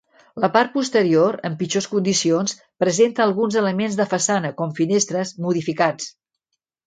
La part posterior, en pitjors condicions, presenta alguns elements de façana, com finestres, modificats.